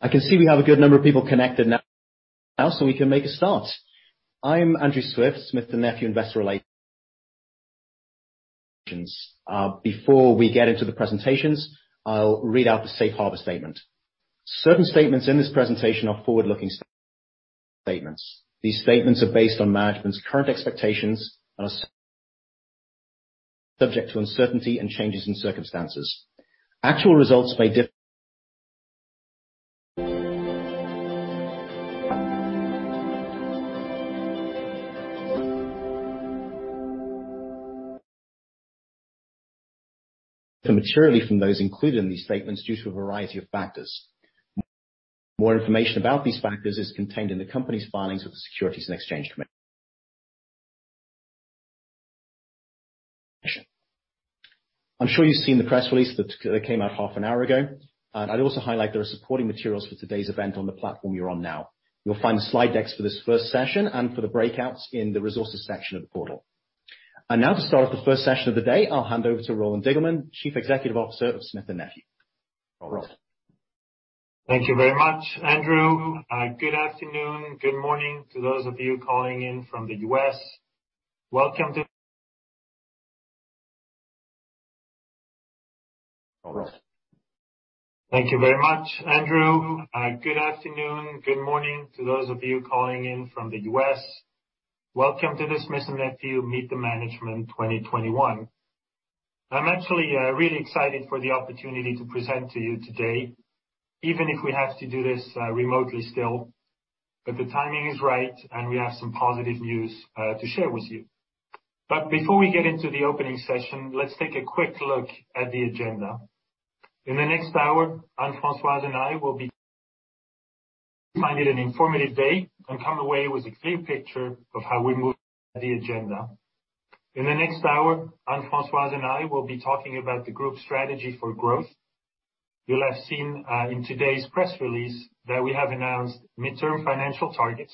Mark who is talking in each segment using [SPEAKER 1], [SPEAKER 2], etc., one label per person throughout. [SPEAKER 1] I can see we have a good number of people connected now, so we can make a start. I'm Andrew Swift, Smith & Nephew Investor Relations. Before we get into the presentations, I'll read out the safe harbor statement. Certain statements in this presentation are forward-looking statements. These statements are based on management's current expectations and are subject to uncertainty and changes in circumstances. Actual results may differ materially from those included in these statements due to a variety of factors. More information about these factors is contained in the company's filings with the Securities and Exchange Commission. I'm sure you've seen the press release that came out half an hour ago, and I'd also highlight there are supporting materials for today's event on the platform you're on now. You'll find the slide decks for this first session and for the breakouts in the Resources section of the portal. Now to start the first session of the day, I'll hand over to Roland Diggelmann, Chief Executive Officer of Smith & Nephew. Roland.
[SPEAKER 2] Thank you very much, Andrew. Good afternoon, good morning to those of you calling in from the U.S. Welcome to this Smith & Nephew Meet the Management 2021. I'm actually really excited for the opportunity to present to you today, even if we have to do this remotely still. The timing is right, and we have some positive news to share with you. Before we get into the opening session, let's take a quick look at the agenda. I hope you find it an informative day and come away with a clear picture of how we move the agenda. In the next hour, Anne-Françoise and I will be talking about the group strategy for growth. You'll have seen in today's press release that we have announced midterm financial targets,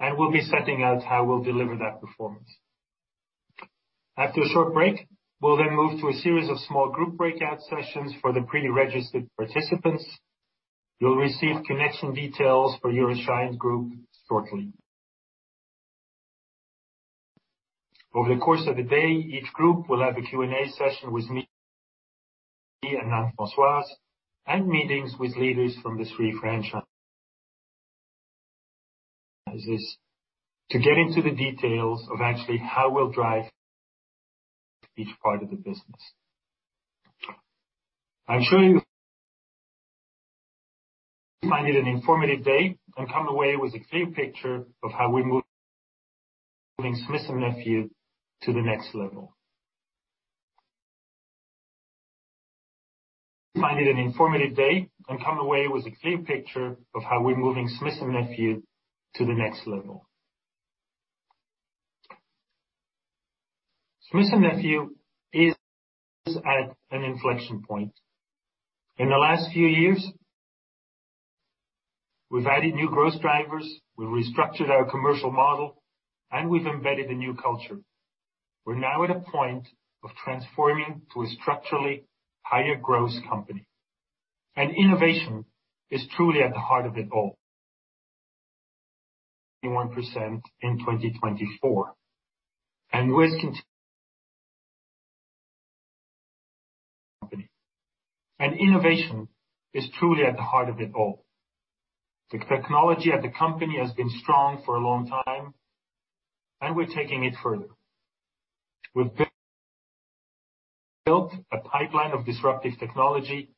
[SPEAKER 2] and we'll be setting out how we'll deliver that performance. After a short break, we'll then move to a series of small group breakout sessions for the pre-registered participants. You'll receive connection details for your assigned group shortly. Over the course of the day, each group will have a Q&A session with me and Anne-Françoise, and meetings with leaders from the three franchises to get into the details of actually how we'll drive each part of the business. I'm sure you'll find it an informative day and come away with a clear picture of how we're moving Smith & Nephew to the next level. Smith & Nephew is at an inflection point. In the last few years, we've added new growth drivers, we restructured our commercial model, and we've embedded a new culture. We're now at a point of transforming to a structurally higher growth company. Innovation is truly at the heart of it all. The technology at the company has been strong for a long time, and we're taking it further. We've built a pipeline of disruptive technology.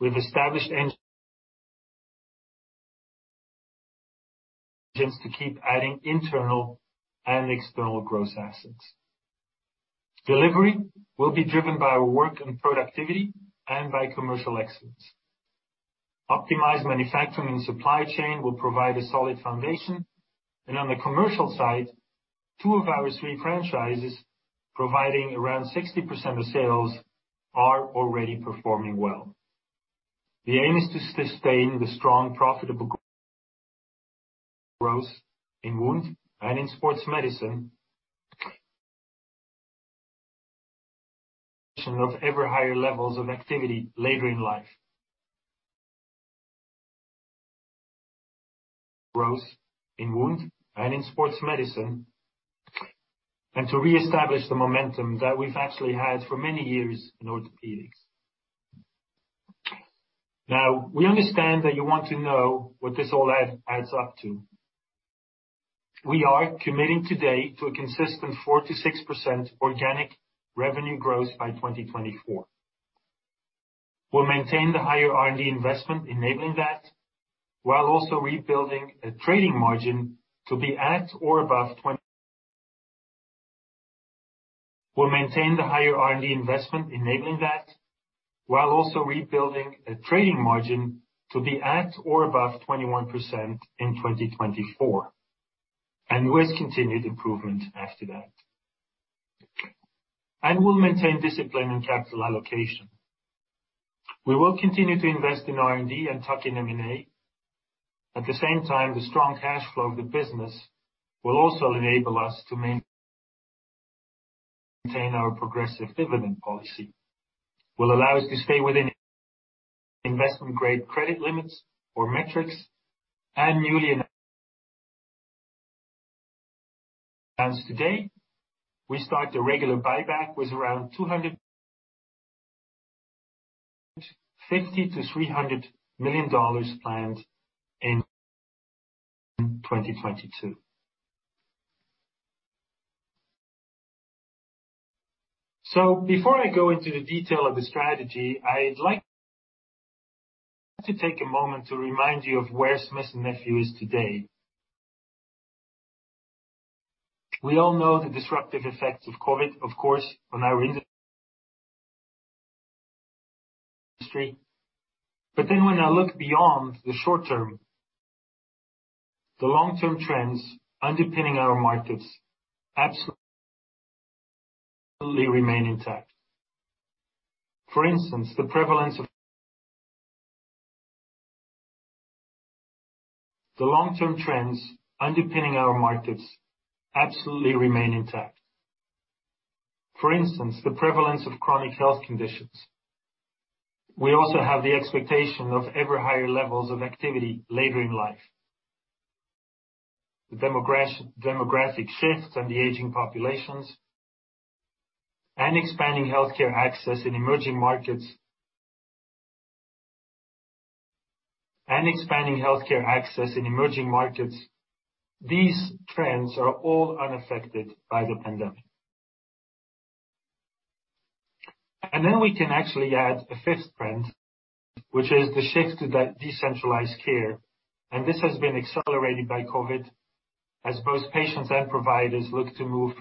[SPEAKER 2] We've established engines to keep adding internal and external growth assets. Delivery will be driven by our work and productivity and by commercial excellence. Optimized manufacturing and supply chain will provide a solid foundation. On the commercial side, two of our three franchises, providing around 60% of sales, are already performing well. The aim is to sustain the strong profitable growth in wound and in sports medicine of ever higher levels of activity later in life. Growth in wound and in sports medicine, and to reestablish the momentum that we've actually had for many years in Orthopaedics. Now, we understand that you want to know what this all adds up to. We are committing today to a consistent 4%-6% organic revenue growth by 2024. We'll maintain the higher R&D investment enabling that, while also rebuilding a trading margin to be at or above 21% in 2024, and with continued improvement after that. We'll maintain discipline in capital allocation. We will continue to invest in R&D and tuck in M&A. At the same time, the strong cash flow of the business will also enable us to maintain our progressive dividend policy. Will allow us to stay within investment grade credit limits or metrics. Today, we start the regular buyback with around $250 million-$300 million planned in 2022. Before I go into the detail of the strategy, I'd like to take a moment to remind you of where Smith & Nephew is today. We all know the disruptive effects of COVID, of course, on our industry. When I look beyond the short term, the long-term trends underpinning our markets absolutely remain intact. For instance, the prevalence of chronic health conditions. We also have the expectation of ever higher levels of activity later in life. The demographic shifts and the aging populations and expanding healthcare access in emerging markets. These trends are all unaffected by the pandemic. Then we can actually add a fifth trend, which is the shift to the decentralized care. This has been accelerated by COVID, as both patients and providers look to move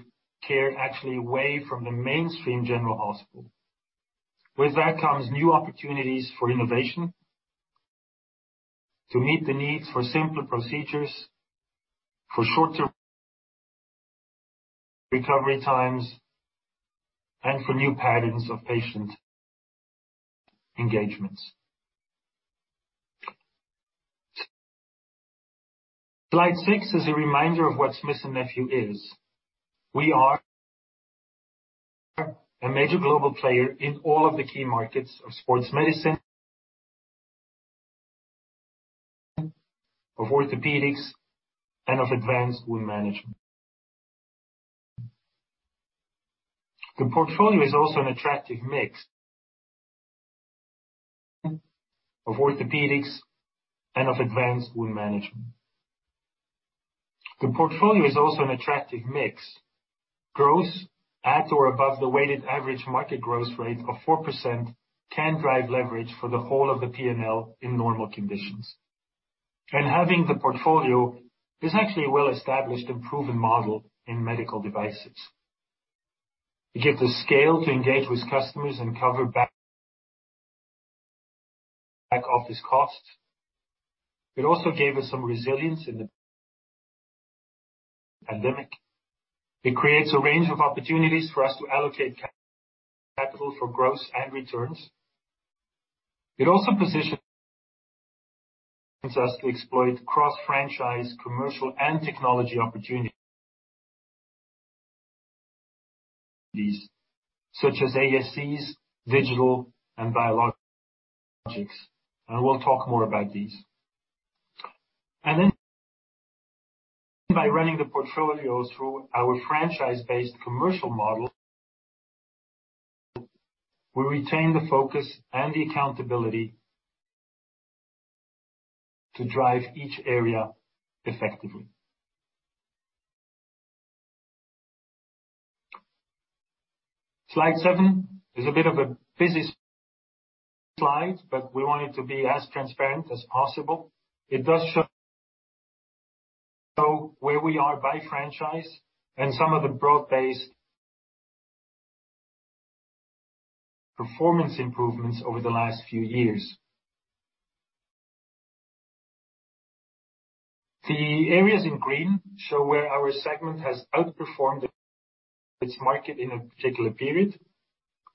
[SPEAKER 2] care actually away from the mainstream general hospital. With that comes new opportunities for innovation to meet the needs for simpler procedures, for shorter recovery times, and for new patterns of patient engagements. Slide six is a reminder of what Smith & Nephew is. We are a major global player in all of the key markets of Sports Medicine, of Orthopaedics, and of Advanced Wound Management. The portfolio is also an attractive mix of Orthopaedics and of Advanced Wound Management. Growth at or above the weighted average market growth rate of 4% can drive leverage for the whole of the PNL in normal conditions. Having the portfolio is actually a well-established and proven model in medical devices. It gives us scale to engage with customers and cover back office costs. It also gave us some resilience in the pandemic. It creates a range of opportunities for us to allocate capital for growth and returns. It also positions us to exploit cross franchise, commercial and technology opportunities such as ASCs, digital and biologics. We'll talk more about these. Then by running the portfolio through our franchise-based commercial model, we retain the focus and the accountability to drive each area effectively. Slide 7 is a bit of a busy slide, but we want it to be as transparent as possible. It does show where we are by franchise and some of the broad-based performance improvements over the last few years. The areas in green show where our segment has outperformed its market in a particular period.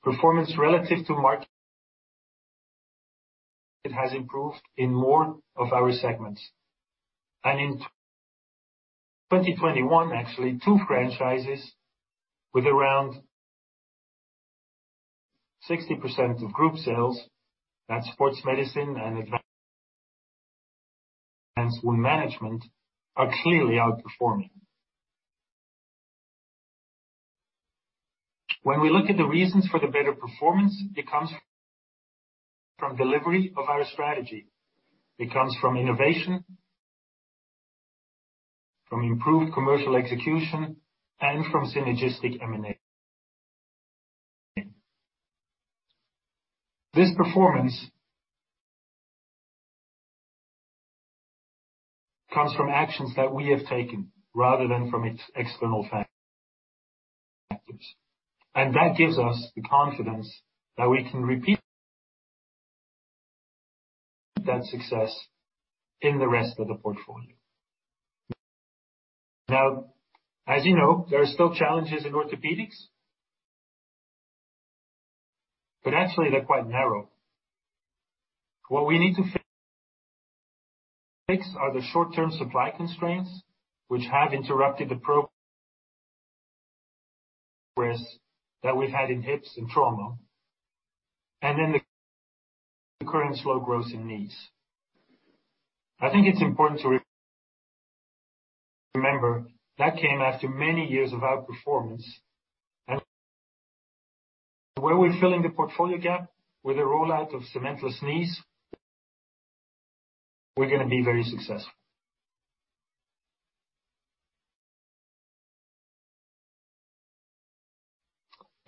[SPEAKER 2] Performance relative to market has improved in more of our segments. In 2021, actually two franchises with around 60% of group sales, that's Sports Medicine and Advanced Wound Management, are clearly outperforming. When we look at the reasons for the better performance, it comes from delivery of our strategy. It comes from innovation, from improved commercial execution, and from synergistic M&A. This performance comes from actions that we have taken rather than from any external factors. That gives us the confidence that we can repeat that success in the rest of the portfolio. Now, as you know, there are still challenges in Orthopaedics. Actually they're quite narrow. What we need to fix are the short-term supply constraints which have interrupted the progress that we've had in hips and trauma, and then the current slow growth in knees. I think it's important to remember that it came after many years of outperformance. Where we're filling the portfolio gap with the rollout of cementless knees, we're gonna be very successful.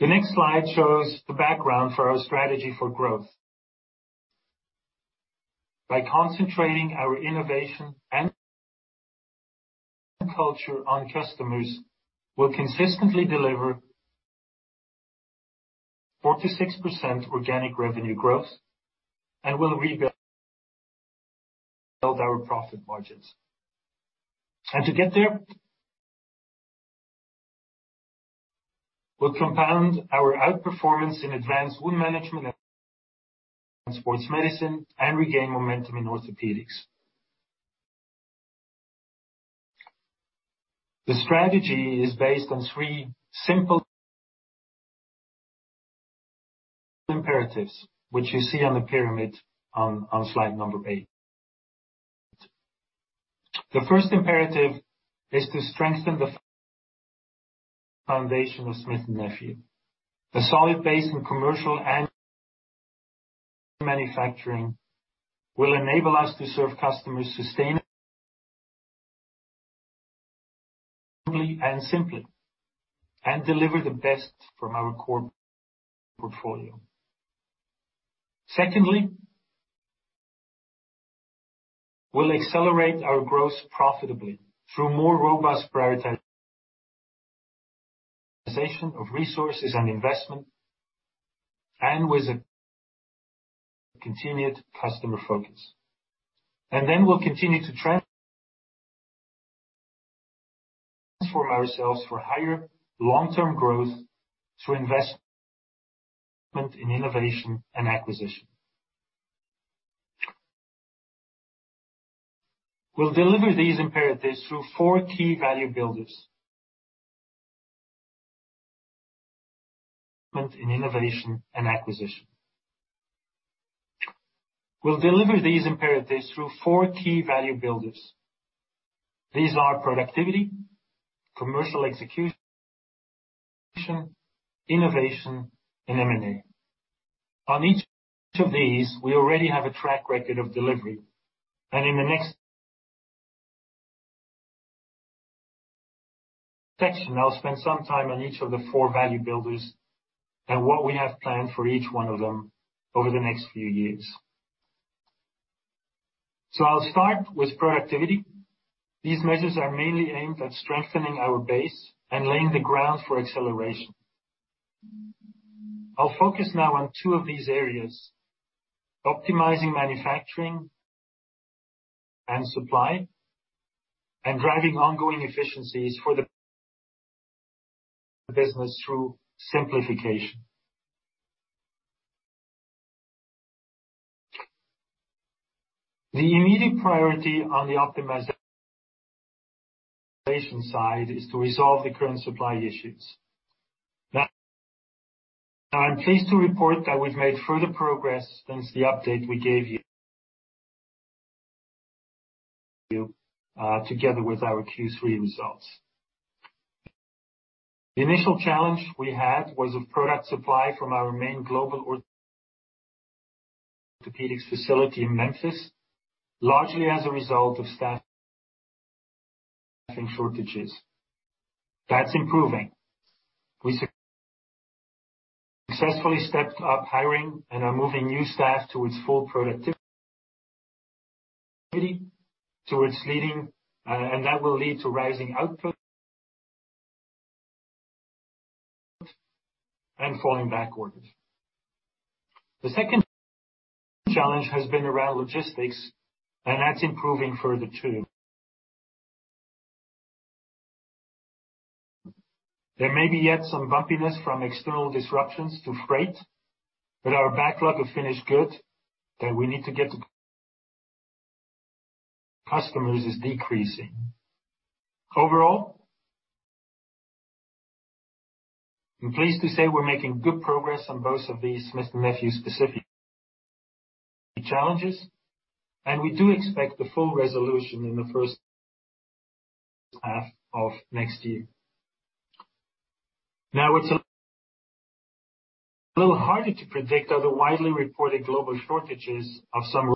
[SPEAKER 2] The next slide shows the background for our strategy for growth. By concentrating our innovation and culture on customers, we'll consistently deliver 4%-6% organic revenue growth, and we'll rebuild our profit margins. To get there, we'll compound our outperformance in Advanced Wound Management and Sports Medicine, and regain momentum in Orthopaedics. The strategy is based on three simple imperatives, which you see on the pyramid on slide eight. The first imperative is to strengthen the foundation of Smith & Nephew. A solid base in commercial and manufacturing will enable us to serve customers sustainably and simply, and deliver the best from our core portfolio. Secondly, we'll accelerate our growth profitably through more robust prioritization of resources and investment, and with a continued customer focus. We'll continue to transform ourselves for higher long-term growth through investment in innovation and acquisition. We'll deliver these imperatives through four key value builders. These are productivity, commercial execution, innovation, and M&A. On each of these, we already have a track record of delivery. In the next section, I'll spend some time on each of the four value builders and what we have planned for each one of them over the next few years. I'll start with productivity. These measures are mainly aimed at strengthening our base and laying the ground for acceleration. I'll focus now on two of these areas, optimizing manufacturing and supply, and driving ongoing efficiencies for the business through simplification. The immediate priority on the optimization side is to resolve the current supply issues. Now, I'm pleased to report that we've made further progress since the update we gave you together with our Q3 results. The initial challenge we had was of product supply from our main global Orthopaedics facility in Memphis, largely as a result of staffing shortages. That's improving. We successfully stepped up hiring and are moving new staff to its full productivity, towards leading, and that will lead to rising output and falling back orders. The second challenge has been around logistics, and that's improving further too. There may be yet some bumpiness from external disruptions to freight, but our backlog of finished good that we need to get to customers is decreasing. Overall, I'm pleased to say we're making good progress on both of these Smith & Nephew specific challenges, and we do expect the full resolution in the first half of next year. Now, it's a little harder to predict are the widely reported global shortages of some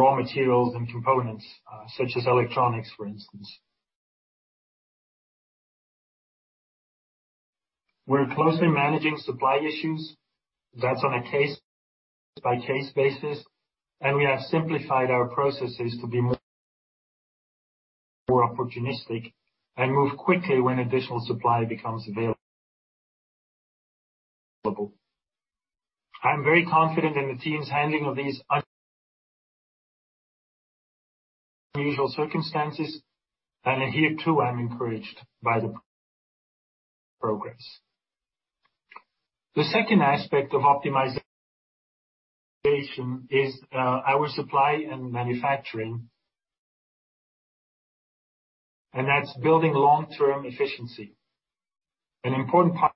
[SPEAKER 2] raw materials and components, such as electronics, for instance. We're closely managing supply issues. That's on a case-by-case basis, and we have simplified our processes to be more opportunistic and move quickly when additional supply becomes available. I'm very confident in the team's handling of these unusual circumstances. Here too, I'm encouraged by the progress. The second aspect of optimization is our supply and manufacturing. That's building long-term efficiency. An important part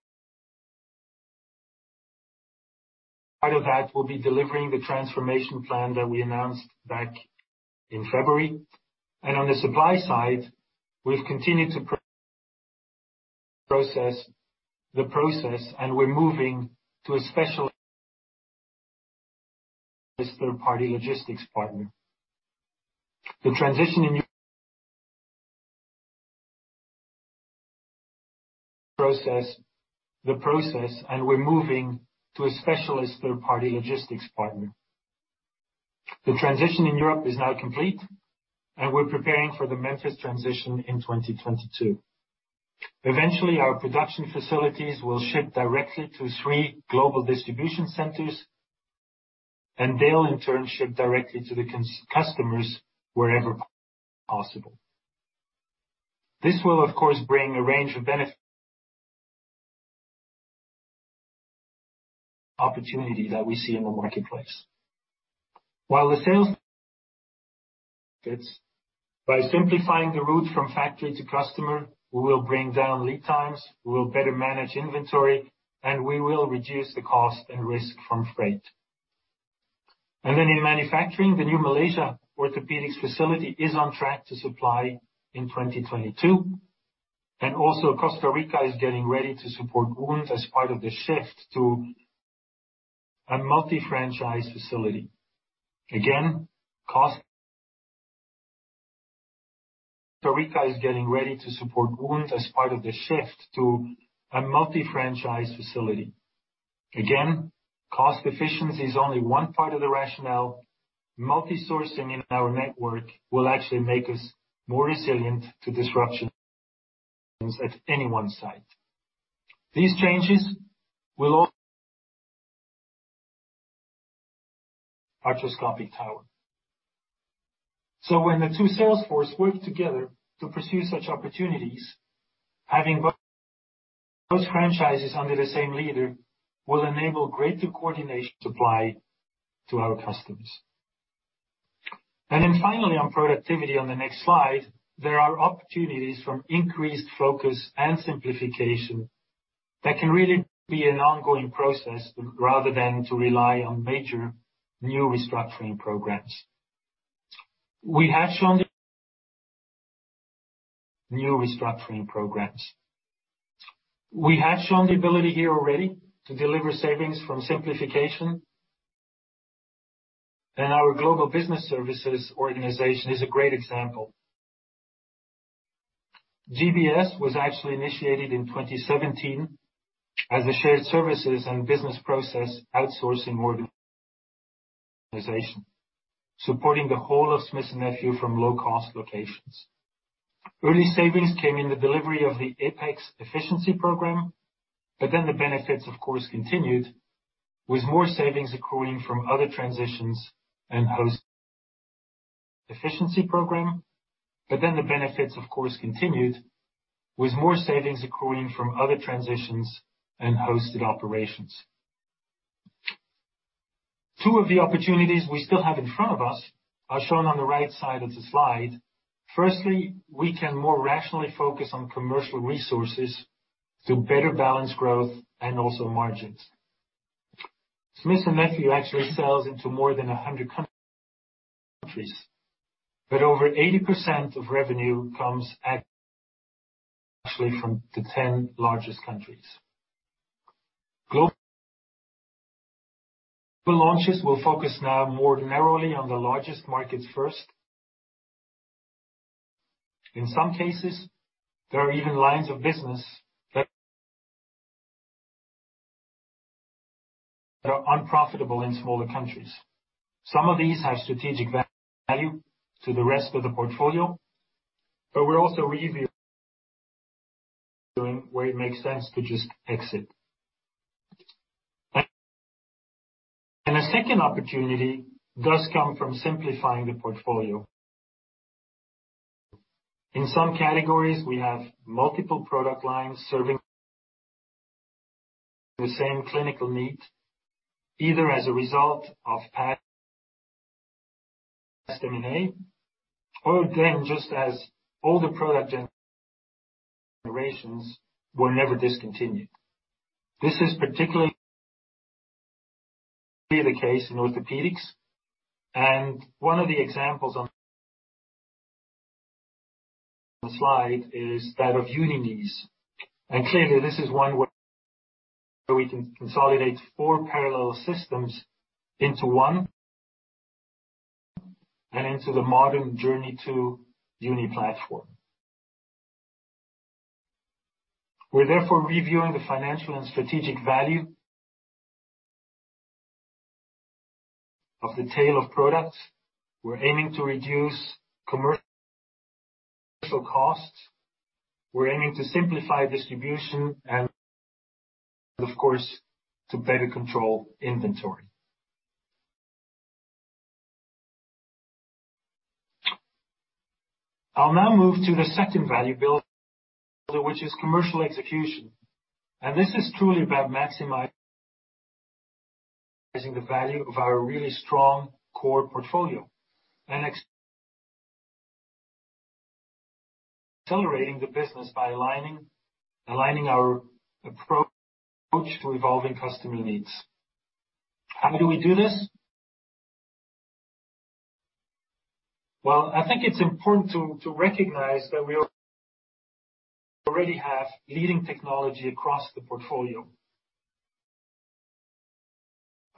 [SPEAKER 2] of that will be delivering the transformation plan that we announced back in February. On the supply side, we've continued to progress the process, and we're moving to a specialist third-party logistics partner. The transition in Europe is now complete, and we're preparing for the Memphis transition in 2022. Eventually, our production facilities will ship directly to three global distribution centers, and they'll in turn ship directly to the customers wherever possible. This will, of course, bring a range of benefits and opportunities that we see in the marketplace. While this simplifies the route from factory to customer, we will bring down lead times, we will better manage inventory, and we will reduce the cost and risk from freight. In manufacturing, the new Malaysia Orthopaedics facility is on track to supply in 2022. Also, Costa Rica is getting ready to support wounds as part of the shift to a multi-franchise facility. Again, cost efficiency is only one part of the rationale. Multi-sourcing in our network will actually make us more resilient to disruptions at any one site. These changes will also support the arthroscopic tower. When the two sales forces work together to pursue such opportunities, having both franchises under the same leader will enable greater coordination in supply to our customers. Finally, on productivity on the next slide, there are opportunities from increased focus and simplification that can really be an ongoing process rather than to rely on major new restructuring programs. We have shown the new restructuring programs. We have shown the ability here already to deliver savings from simplification. Our global business services organization is a great example. GBS was actually initiated in 2017 as a shared services and business process outsourcing organization, supporting the whole of Smith & Nephew from low-cost locations. Early savings came in the delivery of the APEX efficiency program, but then the benefits, of course, continued, with more savings accruing from other transitions and hosted operations. Two of the opportunities we still have in front of us are shown on the right side of the slide. Firstly, we can more rationally focus on commercial resources to better balance growth and also margins. Smith & Nephew actually sells into more than 100 countries, but over 80% of revenue comes actually from the 10 largest countries. Global launches will focus now more narrowly on the largest markets first. In some cases, there are even lines of business that are unprofitable in smaller countries. Some of these have strategic value to the rest of the portfolio, but we're also reviewing where it makes sense to just exit. A second opportunity does come from simplifying the portfolio. In some categories, we have multiple product lines serving the same clinical need, either as a result of past M&A, or then just as older product generations were never discontinued. This is particularly the case in Orthopaedics, and one of the examples on the slide is that of UNI Knees. Clearly this is one way we can consolidate four parallel systems into one and into the modern JOURNEY II UNI platform. We're therefore reviewing the financial and strategic value of the tail of products. We're aiming to reduce commercial costs. We're aiming to simplify distribution and, of course, to better control inventory. I'll now move to the second value build, which is commercial execution. This is truly about maximizing the value of our really strong core portfolio and accelerating the business by aligning our approach to evolving customer needs. How do we do this? Well, I think it's important to recognize that we already have leading technology across the portfolio.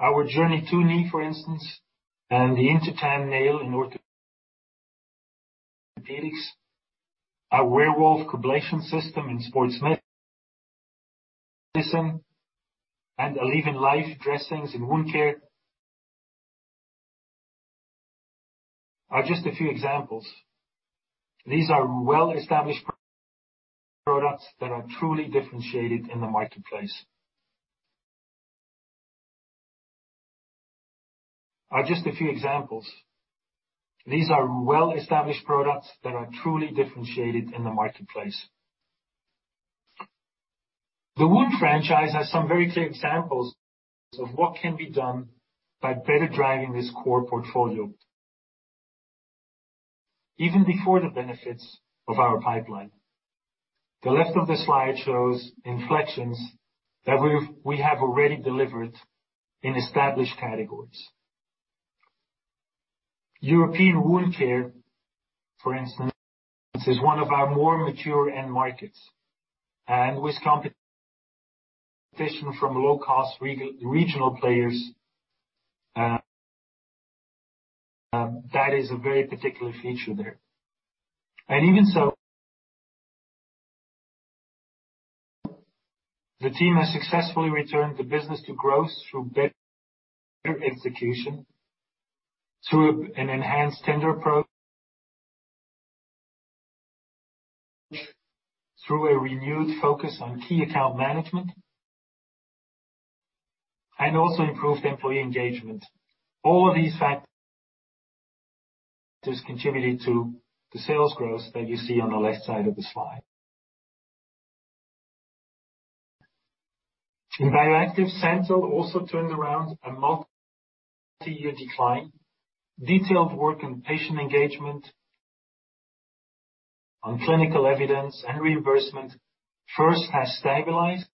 [SPEAKER 2] Our JOURNEY II knee, for instance, and the INTERTAN Nail in Orthopaedics, our WEREWOLF COBLATION System in Sports Medicine, and ALLEVYN LIFE dressings in wound care are just a few examples. These are well-established products that are truly differentiated in the marketplace. These are just a few examples. The wound franchise has some very clear examples of what can be done by better driving this core portfolio even before the benefits of our pipeline. The left of the slide shows inflections that we have already delivered in established categories. European wound care, for instance, is one of our more mature end markets. With competition from low-cost regional players, that is a very particular feature there. Even so, the team has successfully returned the business to growth through better execution, through an enhanced tender approach, through a renewed focus on key account management, and also improved employee engagement. All of these factors contributed to the sales growth that you see on the left side of the slide. The bioactive SANTYL also turned around a multi-year decline. Detailed work on patient engagement, on clinical evidence, and reimbursement first has stabilized,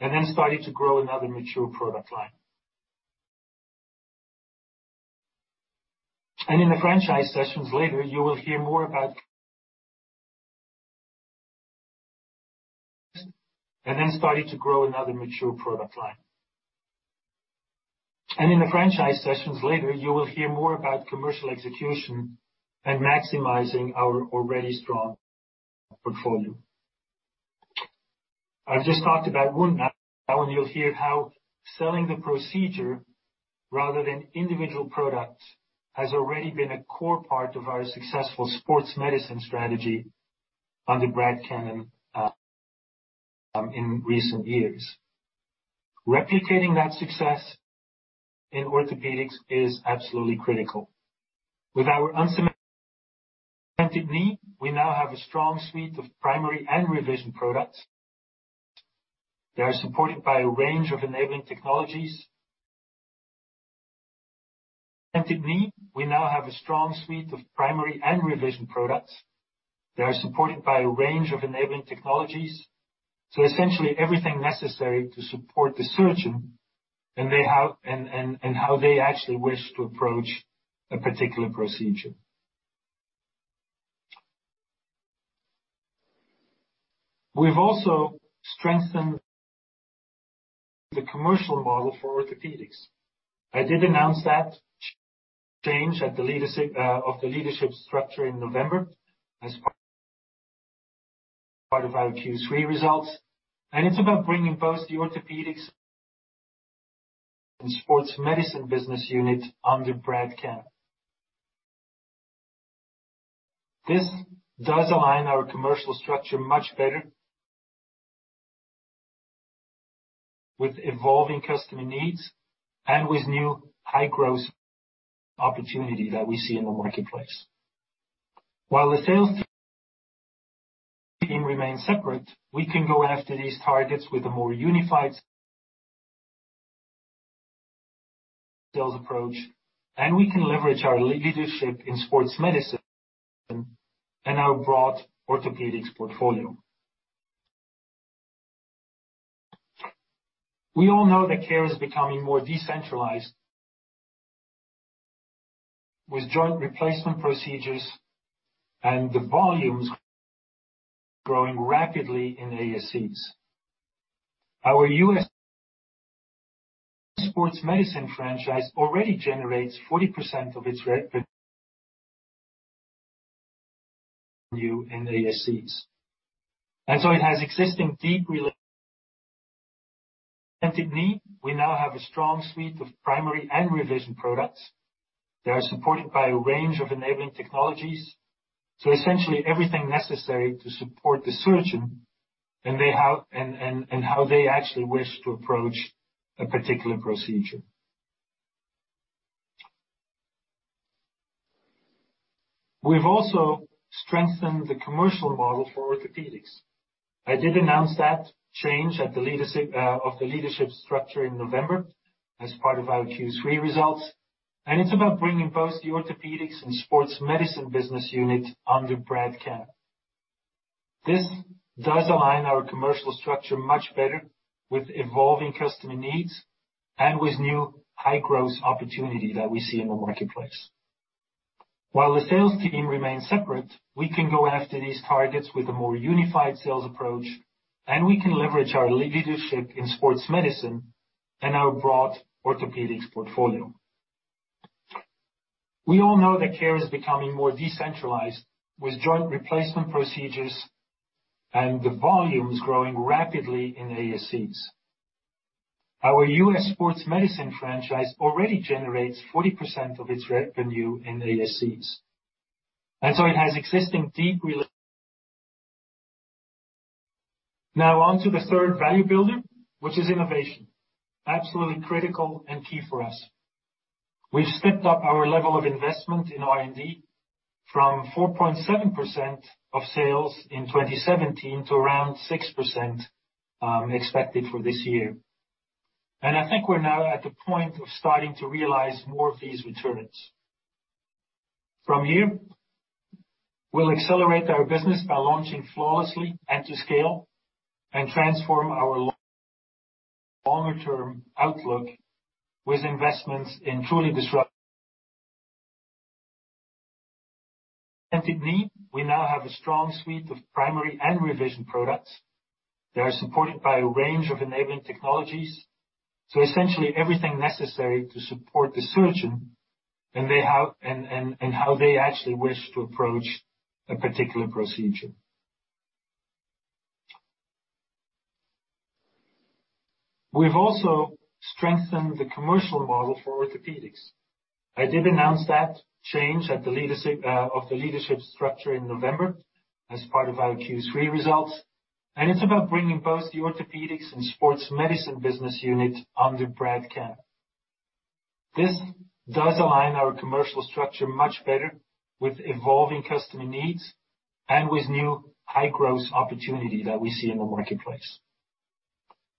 [SPEAKER 2] and then started to grow another mature product line. In the franchise sessions later, you will hear more about commercial execution and maximizing our already strong portfolio. I've just talked about wound, now you'll hear how selling the procedure rather than individual products has already been a core part of our successful Sports Medicine strategy under Brad Cannon in recent years. Replicating that success in Orthopaedics is absolutely critical. With our uncemented knee, we now have a strong suite of primary and revision products that are supported by a range of enabling technologies. Uncemented knee, we now have a strong suite of primary and revision products that are supported by a range of enabling technologies to essentially everything necessary to support the surgeon, and how they actually wish to approach a particular procedure. We've also strengthened the commercial model for Orthopaedics. I did announce that change at the leadership of the leadership structure in November as part of our Q3 results, and it's about bringing both the Orthopaedics and Sports Medicine business unit under Brad Cannon. This does align our commercial structure much better with evolving customer needs and with new high-growth opportunity that we see in the marketplace. While the sales team remains separate, we can go after these targets with a more unified sales approach, and we can leverage our leadership in Sports Medicine and our broad Orthopaedics portfolio. We all know that care is becoming more decentralized, with joint replacement procedures from 4.7% of sales in 2017 to around 6%, expected for this year. I think we're now at the point of starting to realize more of these returns. From here, we'll accelerate our business by launching flawlessly and to scale and transform our longer-term outlook with investments in truly disruptive. In knee, we now have a strong suite of primary and revision products that are supported by a range of enabling technologies. Essentially everything necessary to support the surgeon and how they actually wish to approach a particular procedure. We've also strengthened the commercial model for Orthopaedics. I did announce that change in the leadership structure in November as part of our Q3 results, and it's about bringing both the Orthopaedics and Sports Medicine business unit under Brad Cannon. This does align our commercial structure much better with evolving customer needs and with new high-growth opportunity that we see in the marketplace.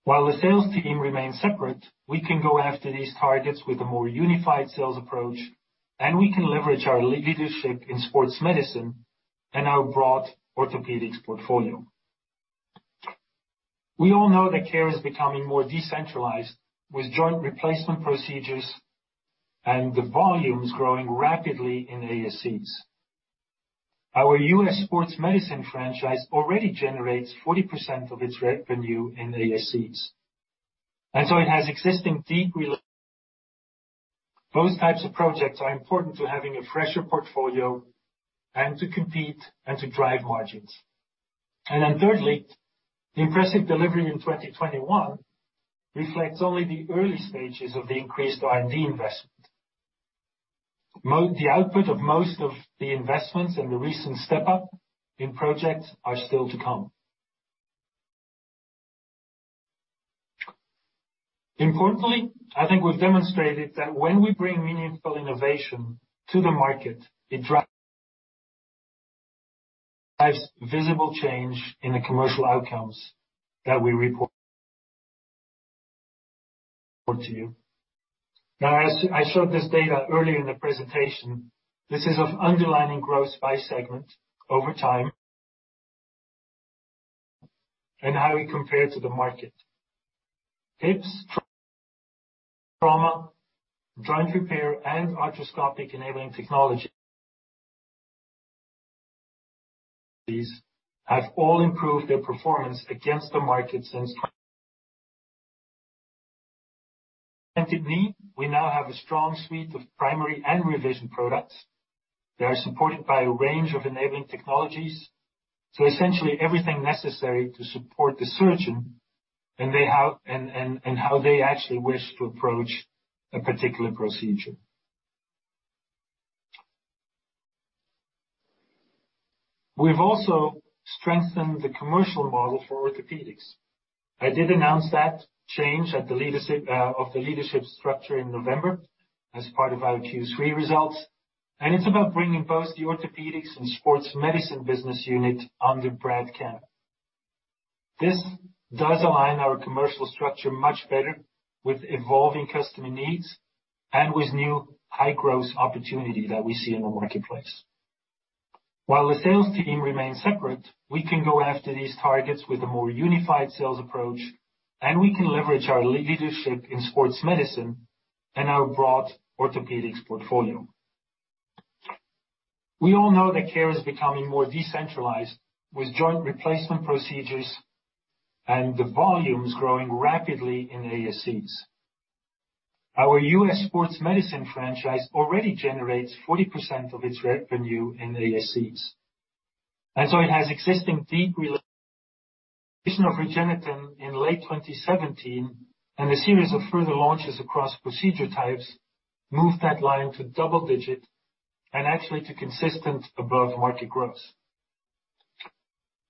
[SPEAKER 2] While the sales team remains separate, we can go after these targets with a more unified sales approach, and we can leverage our leadership in Sports Medicine and our broad Orthopaedics portfolio. We all know that care is becoming more decentralized with joint replacement procedures and the volumes growing rapidly in ASCs. Our U.S. Sports Medicine franchise already generates 40% of its revenue in ASCs. Those types of projects are important to having a fresher portfolio and to compete and to drive margins. Then thirdly, the impressive delivery in 2021 reflects only the early stages of the increased R&D investment. The output of most of the investments and the recent step-up in projects are still to come. Importantly, I think we've demonstrated that when we bring meaningful innovation to the market, it drives visible change in the commercial outcomes that we report to you. Now, I showed this data earlier in the presentation. This is of underlying growth by segment over time and how we compare to the market. Hips, trauma, joint repair, and arthroscopic-enabling technologies have all improved their performance against the market since. Uncemented knee, we now have a strong suite of primary and revision products that are supported by a range of enabling technologies. Essentially everything necessary to support the surgeon and how they actually wish to approach a particular procedure. We've also strengthened the commercial model for Orthopaedics. I did announce that change at the leadership structure in November as part of our Q3 results, and it's about bringing both the Orthopaedics and Sports Medicine business unit under Brad Cannon. This does align our commercial structure much better with evolving customer needs and with new high-growth opportunity that we see in the marketplace. While the sales team remains separate, we can go after these targets with a more unified sales approach, and we can leverage our leadership in Sports Medicine and our broad Orthopaedics portfolio. We all know that care is becoming more decentralized with joint replacement procedures and the volumes growing rapidly in ASCs. Our U.S. Sports Medicine franchise already generates 40% of its revenue in ASCs. It has existing deep penetration of REGENETEN in late 2017 and a series of further launches across procedure types moved that line to double-digit and actually to consistent above-market growth.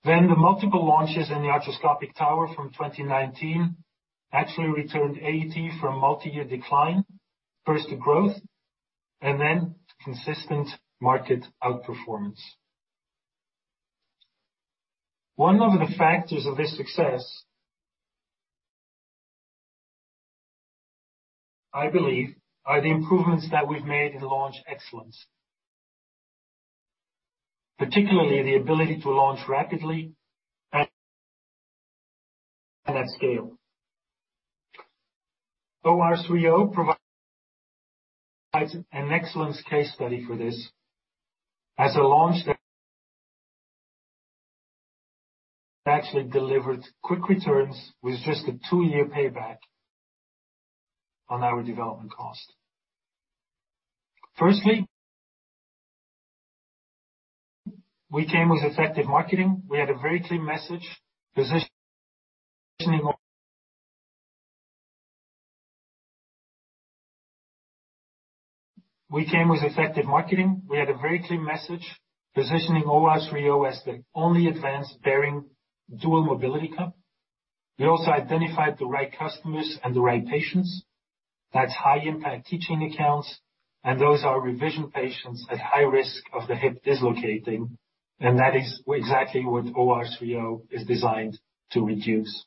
[SPEAKER 2] The multiple launches in the arthroscopic tower from 2019 actually returned AET from multi-year decline first to growth and then consistent market outperformance. One of the factors of this success, I believe, are the improvements that we've made in launch excellence, particularly the ability to launch rapidly and at scale. OR3O provides an excellent case study for this. As a launch that actually delivered quick returns with just a two-year payback on our development cost. Firstly, we came with effective marketing. We had a very clear message positioning OR3O as the only advanced bearing dual mobility cup. We also identified the right customers and the right patients. That's high-impact teaching accounts, and those are revision patients at high risk of the hip dislocating, and that is exactly what OR3O is designed to reduce.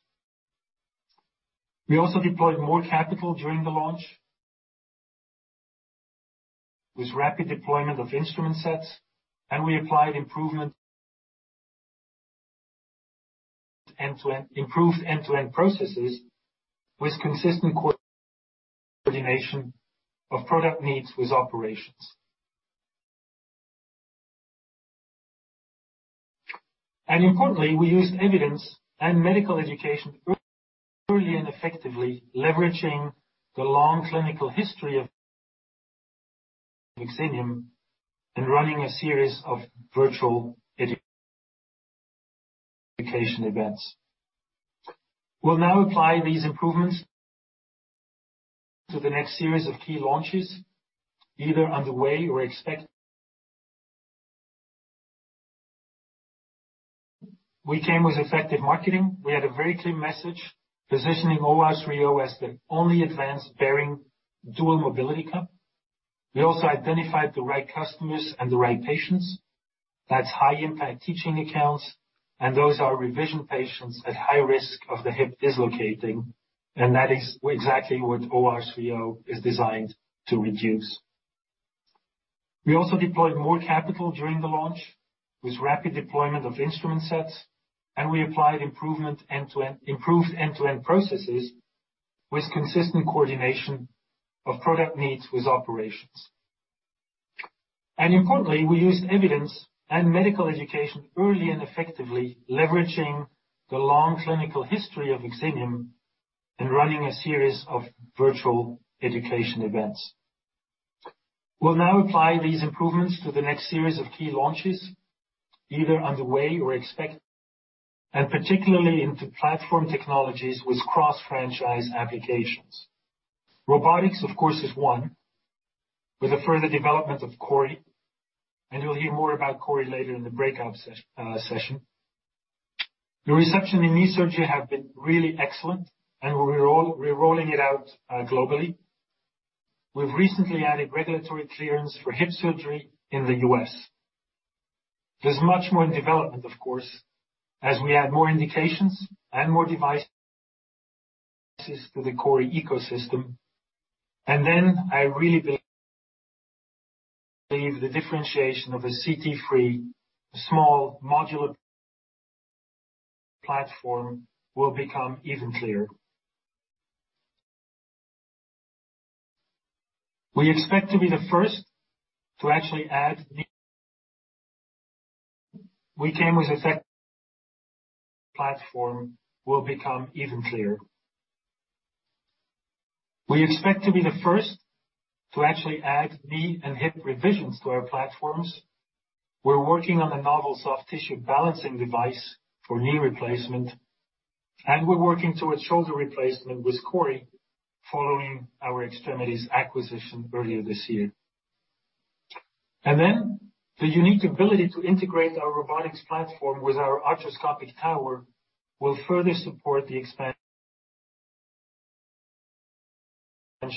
[SPEAKER 2] We also deployed more capital during the launch, with rapid deployment of instrument sets, and we applied improvement end-to-end, improved end-to-end processes with consistent coordination of product needs with operations. Importantly, we used evidence and medical education early and effectively, leveraging the long clinical history of OXINIUM and running a series of virtual education events. We'll now apply these improvements to the next series of key launches, either on the way or expected. We came with effective marketing. We had a very clear message positioning OR3O as the only advanced bearing dual mobility cup. We also identified the right customers and the right patients. That's high-impact teaching accounts, and those are revision patients at high risk of the hip dislocating, and that is exactly what OR3O is designed to reduce. We also deployed more capital during the launch, with rapid deployment of instrument sets, and we applied improvement end-to-end, improved end-to-end processes with consistent coordination of product needs with operations. Importantly, we used evidence and medical education early and effectively, leveraging the long clinical history of OXINIUM and running a series of virtual education events. We'll now apply these improvements to the next series of key launches, either on the way or expected, and particularly into platform technologies with cross-franchise applications. Robotics, of course, is one, with a further development of CORI, and you'll hear more about CORI later in the breakout session. The reception in knee surgery have been really excellent, and we're rolling it out globally. We've recently added regulatory clearance for hip surgery in the U.S. There's much more in development, of course, as we add more indications and more devices to the CORI ecosystem. I really believe the differentiation of a CT-free, small modular platform will become even clearer.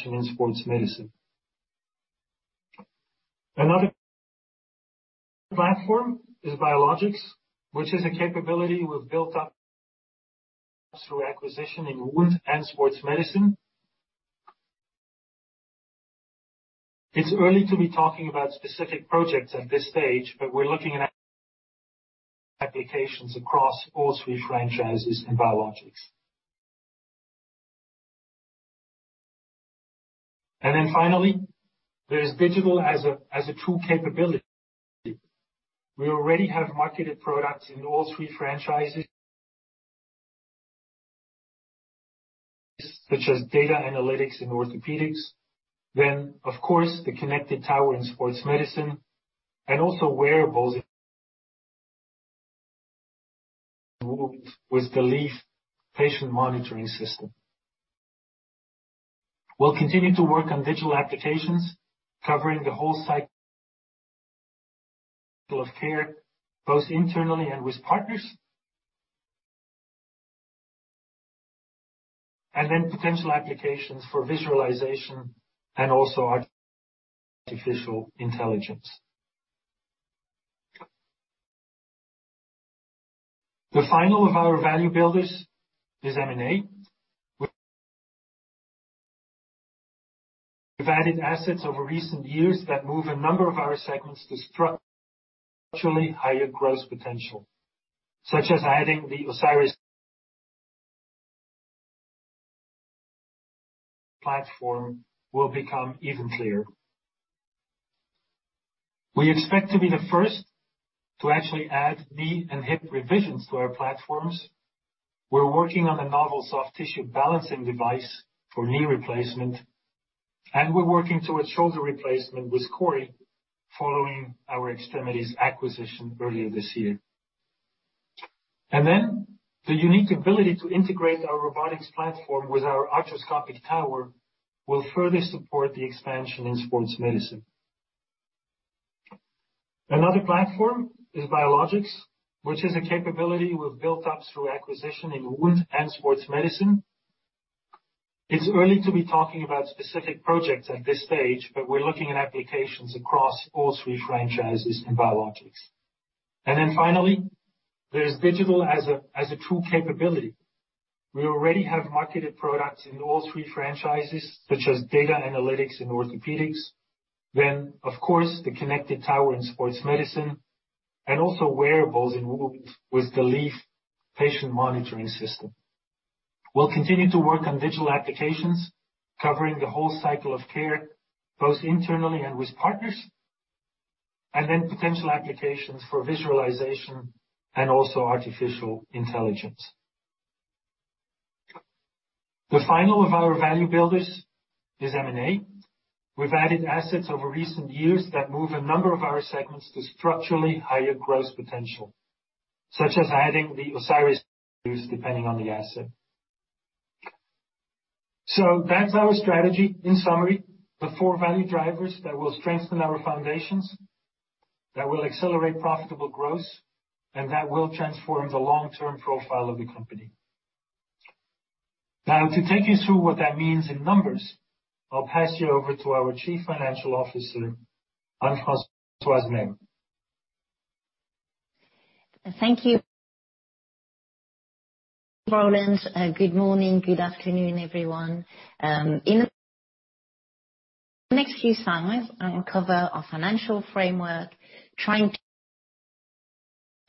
[SPEAKER 2] in Sports Medicine. Another platform is biologics, which is a capability we've built up through acquisition in Wound and Sports Medicine. It's early to be talking about specific projects at this stage, but we're looking at applications across all three franchises in biologics. Finally, there's digital as a true capability. We already have marketed products in all three franchises, such as data analytics in Orthopaedics. Of course, the connected tower in Sports Medicine and also wearables in wound with the LEAF Patient Monitoring System. We'll continue to work on digital applications covering the whole cycle of care, both internally and with partners, and then potential applications for visualization and also artificial intelligence. The final one of our value builders is M&A. We've added assets over recent years that move a number of our segments to structurally higher growth potential, such as adding the Osiris depending on the asset. That's our strategy. In summary, the four value drivers that will strengthen our foundations, that will accelerate profitable growth, and that will transform the long-term profile of the company. Now, to take you through what that means in numbers, I'll pass you over to our Chief Financial Officer, Anne-Françoise Nesmes.
[SPEAKER 3] Thank you, Roland. Good morning, good afternoon, everyone. In the next few slides, I will cover our financial framework, trying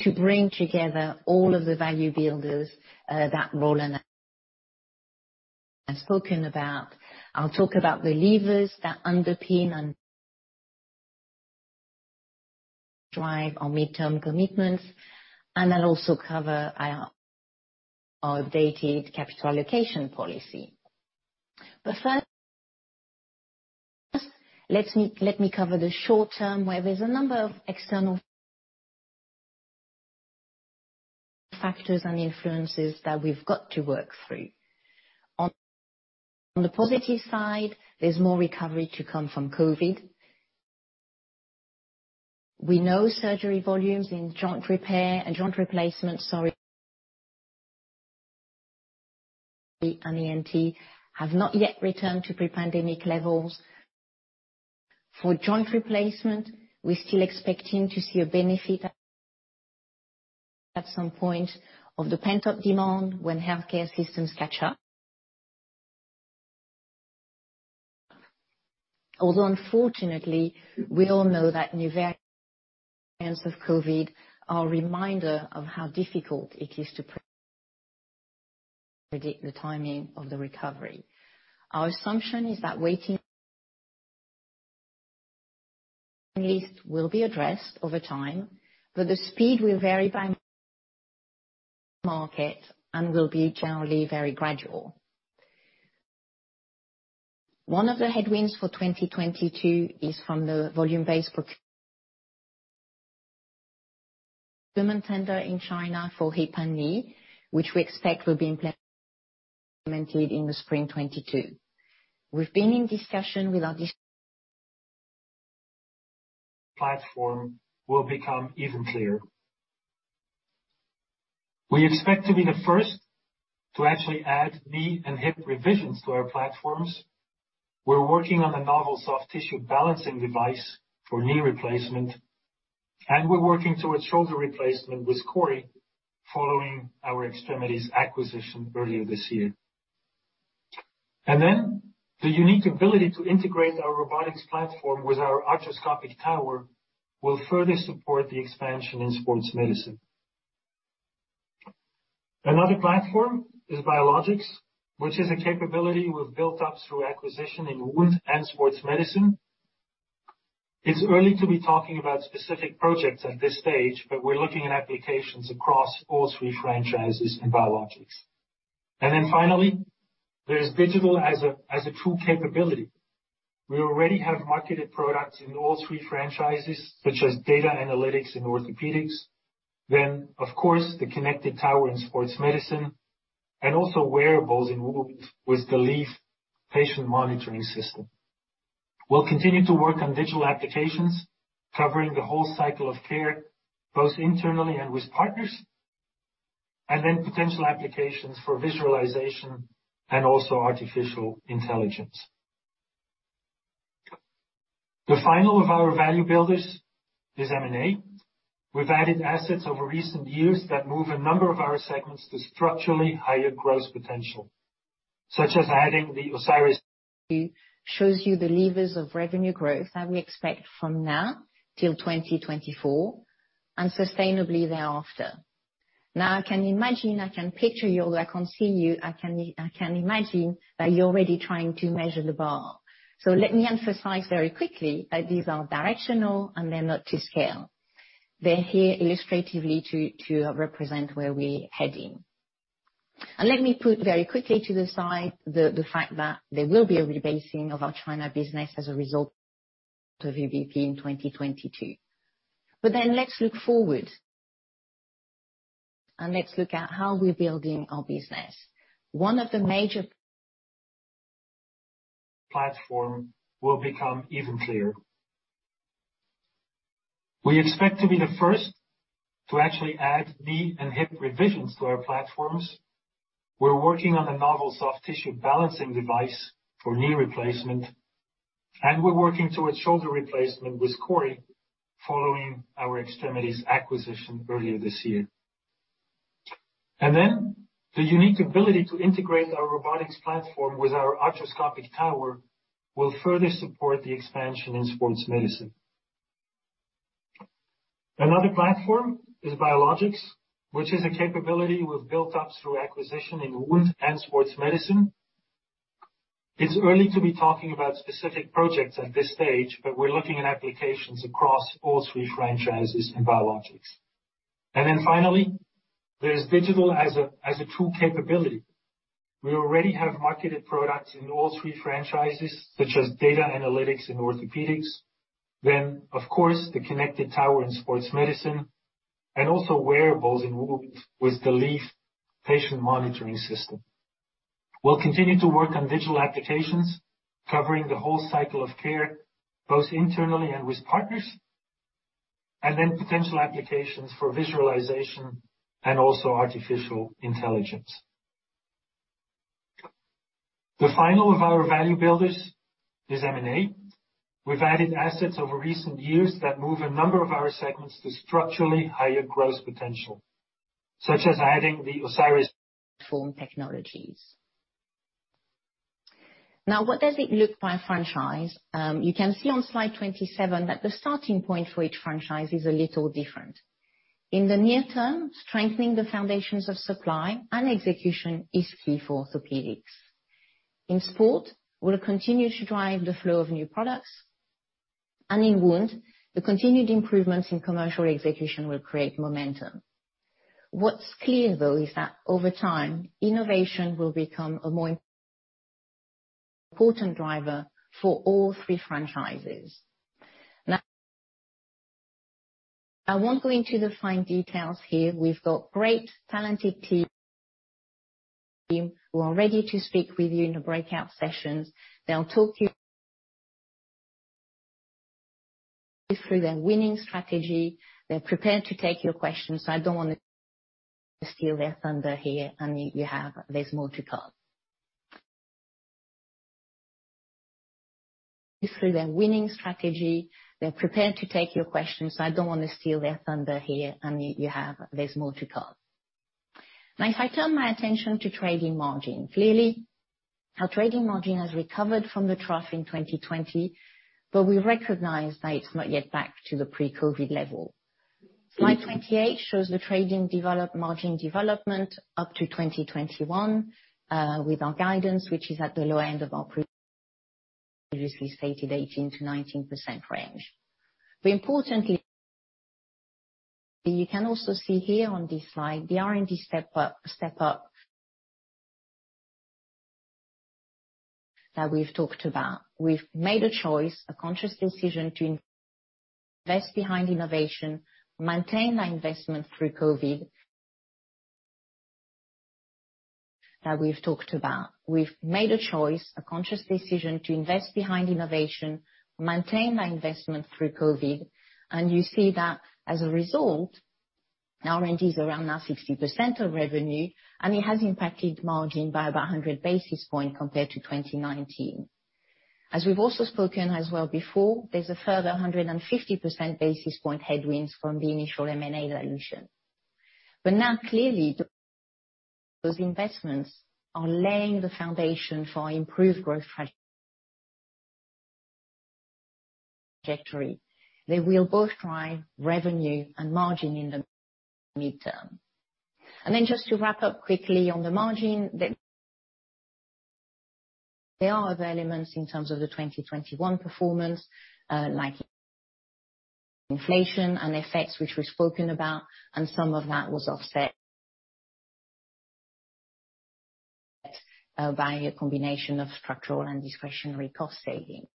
[SPEAKER 3] to bring together all of the value builders that Roland has spoken about. I'll talk about the levers that underpin and drive our midterm commitments. I'll also cover our updated capital allocation policy. First, let me cover the short term, where there's a number of external factors and influences that we've got to work through. On the positive side, there's more recovery to come from COVID. We know surgery volumes in joint repair and joint replacement and ENT have not yet returned to pre-pandemic levels. For joint replacement, we're still expecting to see a benefit at some point of the pent-up demand when healthcare systems catch up. Although unfortunately, we all know that new variants of COVID are a reminder of how difficult it is to predict the timing of the recovery. Our assumption is that waiting lists will be addressed over time, but the speed will vary by market and will be generally very gradual. One of the headwinds for 2022 is from the volume-based procurement tender in China for hip and knee, which we expect will be implemented in the Spring 2022. We've been in discussion with our dist-
[SPEAKER 2] Platform will become even clearer. We expect to be the first to actually add knee and hip revisions to our platforms. We're working on a novel soft tissue balancing device for knee replacement, and we're working towards shoulder replacement with CORI following our extremities acquisition earlier this year. The unique ability to integrate our robotics platform with our arthroscopic tower will further support the expansion in Sports Medicine. Another platform is biologics, which is a capability we've built up through acquisition in Wound and Sports Medicine. It's early to be talking about specific projects at this stage, but we're looking at applications across all three franchises in biologics. Finally, there's digital as a true capability. We already have marketed products in all three franchises, such as data analytics in Orthopaedics, then of course, the connected tower in Sports Medicine, and also wearables in wound with the LEAF Patient Monitoring System. We'll continue to work on digital applications covering the whole cycle of care, both internally and with partners, and then potential applications for visualization and also artificial intelligence. The final of our value builders is M&A. We've added assets over recent years that move a number of our segments to structurally higher growth potential, such as adding the Osiris.
[SPEAKER 3] Shows you the levers of revenue growth that we expect from now till 2024, and sustainably thereafter. Now, I can imagine, I can picture you, although I can't see you, I can imagine that you're already trying to measure the bar. Let me emphasize very quickly that these are directional, and they're not to scale. They're here illustratively to represent where we're heading. Let me put very quickly to the side the fact that there will be a rebasing of our China business as a result of VBP in 2022. Let's look forward. Let's look at how we're building our business. One of the major
[SPEAKER 2] Platform will become even clearer. We expect to be the first to actually add knee and hip revisions to our platforms. We're working on a novel soft tissue balancing device for knee replacement, and we're working towards shoulder replacement with CORI following our extremities acquisition earlier this year. The unique ability to integrate our robotics platform with our arthroscopic tower will further support the expansion in Sports Medicine. Another platform is biologics, which is a capability we've built up through acquisition in Wound and Sports Medicine. It's early to be talking about specific projects at this stage, but we're looking at applications across all three franchises in biologics. Finally, there's digital as a true capability. We already have marketed products in all three franchises, such as data analytics in Orthopaedics. Of course, the connected tower in Sports Medicine, and also wearables in wound with the LEAF Patient Monitoring System. We'll continue to work on digital applications covering the whole cycle of care, both internally and with partners, and then potential applications for visualization and also artificial intelligence. The final of our value builders is M&A. We've added assets over recent years that move a number of our segments to structurally higher growth potential, such as adding the Osiris-
[SPEAKER 3] Platform technologies. Now, what does it look like by franchise? You can see on slide 27 that the starting point for each franchise is a little different. In the near term, strengthening the foundations of supply and execution is key for Orthopaedics. In Sports, we'll continue to drive the flow of new products. In Wound, the continued improvements in commercial execution will create momentum. What's clear, though, is that over time, innovation will become a more important driver for all three franchises. Now, I won't go into the fine details here. We've got great talented team who are ready to speak with you in the breakout sessions. They'll talk you through their winning strategy. They're prepared to take your questions, so I don't wanna steal their thunder here. There's more to come through their winning strategy. They're prepared to take your questions, so I don't wanna steal their thunder here. You have more to come. Now, if I turn my attention to trading margin, clearly our trading margin has recovered from the trough in 2020, but we recognize that it's not yet back to the pre-COVID level. Slide 28 shows the margin development up to 2021 with our guidance, which is at the low end of our previously stated 18%-19% range. Importantly, you can also see here on this slide the R&D step up that we've talked about. We've made a choice, a conscious decision to invest behind innovation, maintain our investment through COVID. That we've talked about. We've made a choice, a conscious decision to invest behind innovation, maintain our investment through COVID, and you see that as a result, R&D is around now 60% of revenue, and it has impacted margin by about 100 basis points compared to 2019. As we've also spoken as well before, there's a further 150 basis points headwinds from the initial M&A dilution. Now clearly, those investments are laying the foundation for our improved growth trajectory. They will both drive revenue and margin in the midterm. Then just to wrap up quickly on the margin, there are other elements in terms of the 2021 performance, like inflation and effects, which we've spoken about, and some of that was offset by a combination of structural and discretionary cost savings.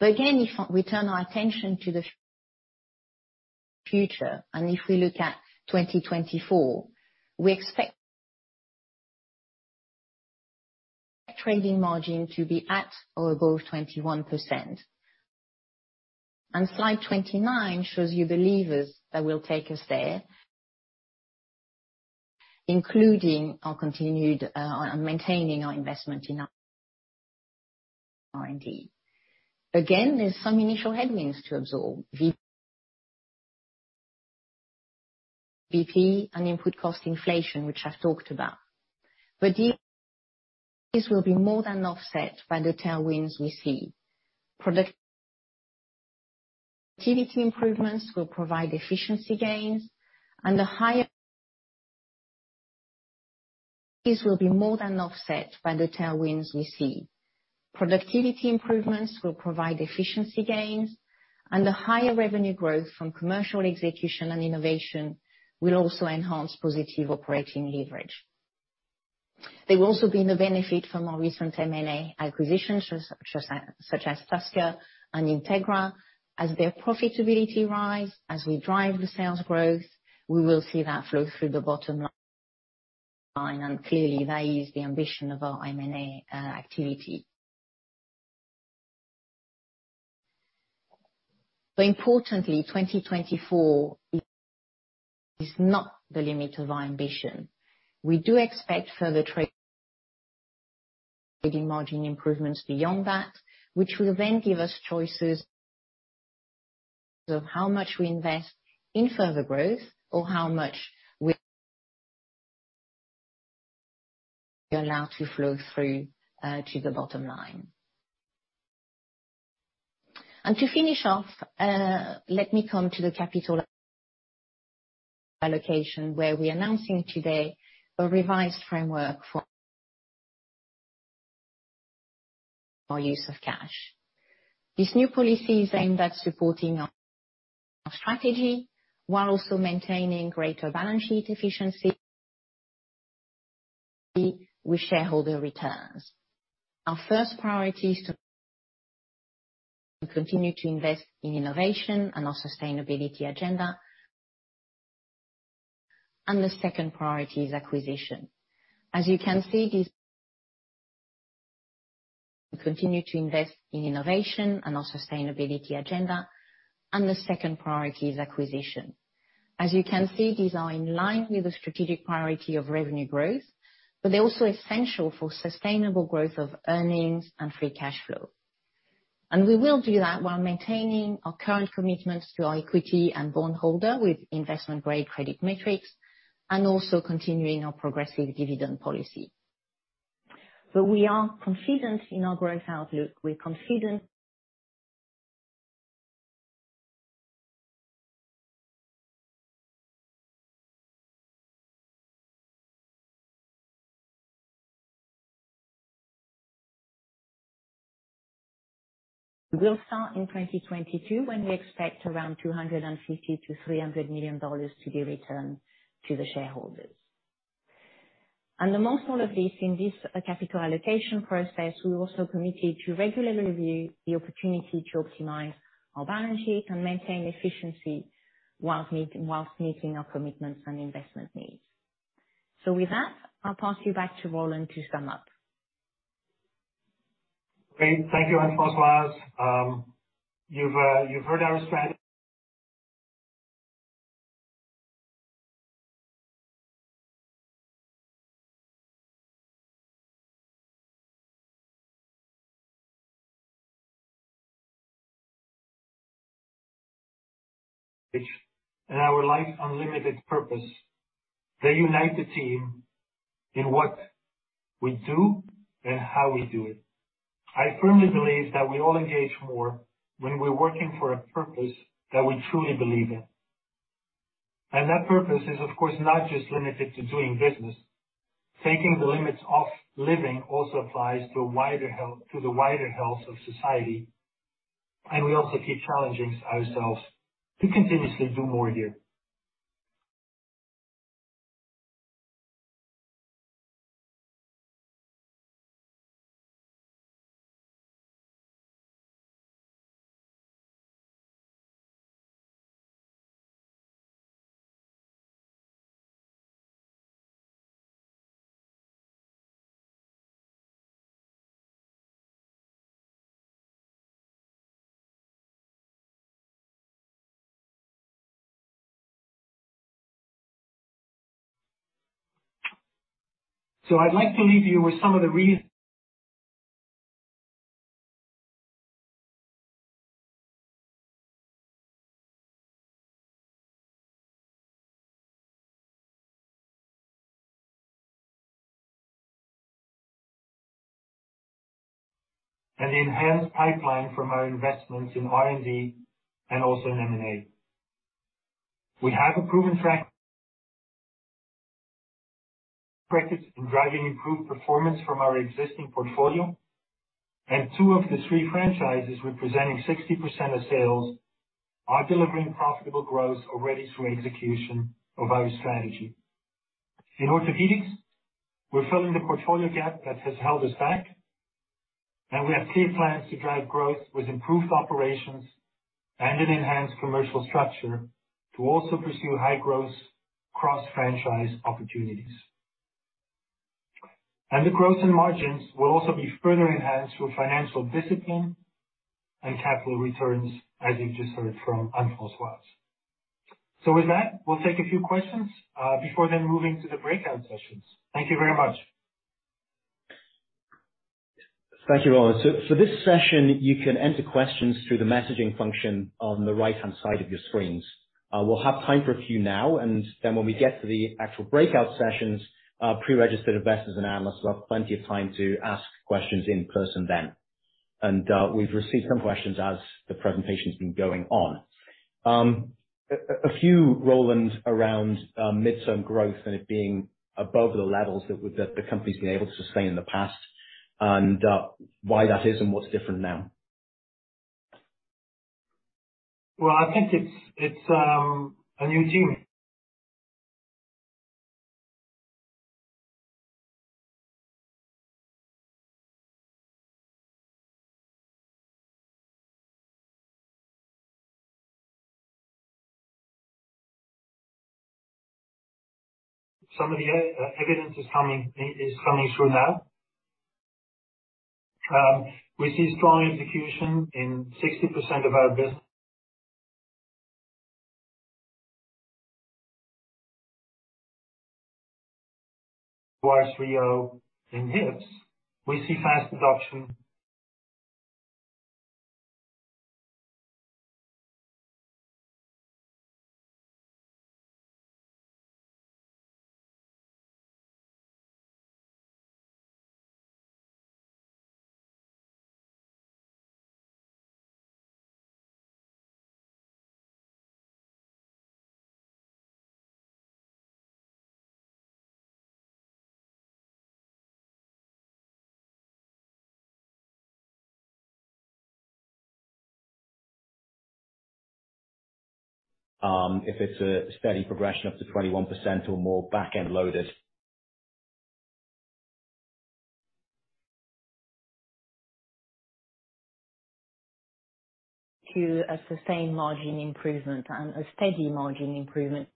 [SPEAKER 3] Again, if we turn our attention to the future, and if we look at 2024, we expect trading margin to be at or above 21%. Slide 29 shows you the levers that will take us there, including our continued maintaining our investment in R&D. Again, there's some initial headwinds to absorb. VBP and input cost inflation, which I've talked about. These will be more than offset by the tailwinds we see. Productivity improvements will provide efficiency gains, and the higher revenue growth from commercial execution and innovation will also enhance positive operating leverage. There will also be the benefit from our recent M&A acquisitions, such as Tusker and Integra. As their profitability rise, as we drive the sales growth, we will see that flow through the bottom line, and clearly that is the ambition of our M&A activity. Importantly, 2024 is not the limit of our ambition. We do expect further trading margin improvements beyond that, which will then give us choices of how much we invest in further growth or how much we allow to flow through to the bottom line. To finish off, let me come to the capital allocation, where we're announcing today a revised framework for use of cash. This new policy is aimed at supporting our strategy while also maintaining greater balance sheet efficiency with shareholder returns. Our first priority is to continue to invest in innovation and our sustainability agenda, and the second priority is acquisition. As you can see, continue to invest in innovation and our sustainability agenda, and the second priority is acquisition. As you can see, these are in line with the strategic priority of revenue growth, but they're also essential for sustainable growth of earnings and free cash flow. We will do that while maintaining our current commitments to our equity and bondholder with investment-grade credit metrics and also continuing our progressive dividend policy. We are confident in our growth outlook. We'll start in 2022, when we expect around $250 million-$300 million to be returned to the shareholders. Amongst all of this, in this capital allocation process, we've also committed to regularly review the opportunity to optimize our balance sheet and maintain efficiency whilst meeting our commitments and investment needs. With that, I'll pass you back to Roland to sum up.
[SPEAKER 2] Great. Thank you, Anne-Françoise. You've heard our strategy and our Life Unlimited purpose. They unite the team in what we do and how we do it. I firmly believe that we all engage more when we're working for a purpose that we truly believe in. That purpose is, of course, not just limited to doing business. Taking the limits off living also applies to a wider health of society, and we also keep challenging ourselves to continuously do more here. I'd like to leave you with the enhanced pipeline from our investments in R&D and also in M&A. We have a proven track record in driving improved performance from our existing portfolio, and two of the three franchises representing 60% of sales are delivering profitable growth already through execution of our strategy. In Orthopaedics, we're filling the portfolio gap that has held us back, and we have clear plans to drive growth with improved operations and an enhanced commercial structure to also pursue high-growth cross-franchise opportunities. The growth in margins will also be further enhanced through financial discipline and capital returns, as you just heard from Anne-Françoise. With that, we'll take a few questions, before then moving to the breakout sessions. Thank you very much.
[SPEAKER 1] Thank you, Roland. For this session, you can enter questions through the messaging function on the right-hand side of your screens. We'll have time for a few now, and then when we get to the actual breakout sessions, pre-registered investors and analysts will have plenty of time to ask questions in person then. We've received some questions as the presentation's been going on. A few, Roland, around mid-term growth and it being above the levels that the company's been able to sustain in the past, and why that is and what's different now.
[SPEAKER 2] Well, I think it's a new team. Some of the evidence is coming through now. We see strong execution in 60% of our business OR3O in hips. We see fast adoption.
[SPEAKER 1] If it's a steady progression up to 21% or more backend loaded.
[SPEAKER 3] To a sustained margin improvement and a steady margin improvement.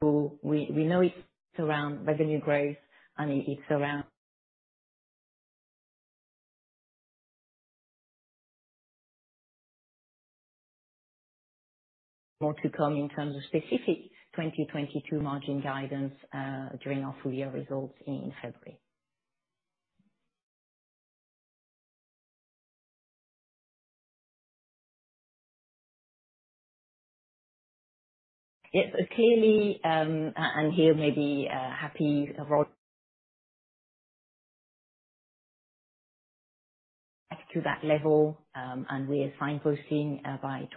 [SPEAKER 3] We know it's around revenue growth. More to come in terms of specific 2022 margin guidance during our full year results in February. Yes. Clearly, and here maybe happy, Roland back to that level, and we're signposting by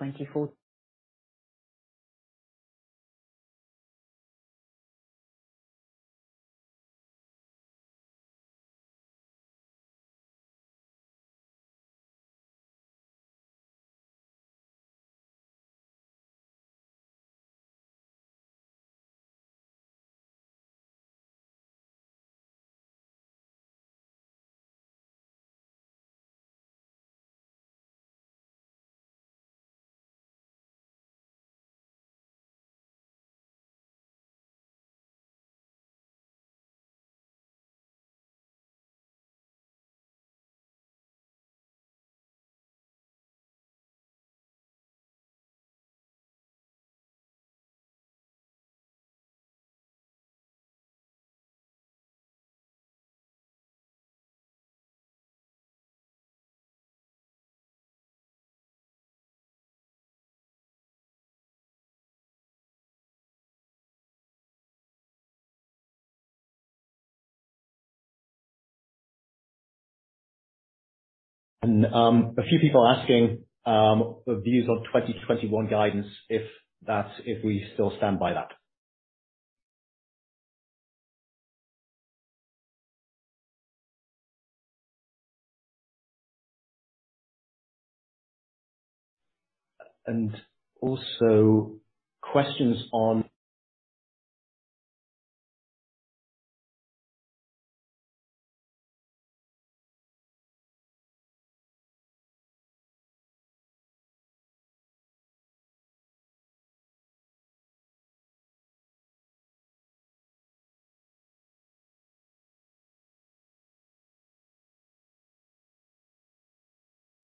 [SPEAKER 3] 2024.
[SPEAKER 1] A few people are asking the views on 2021 guidance, if we still stand by that. Also questions on-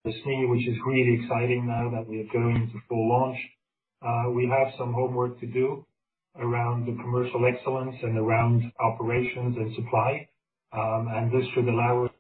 [SPEAKER 2] The scene which is really exciting now that we are going into full launch. We have some homework to do around the commercial excellence and around operations and supply. This should allow us.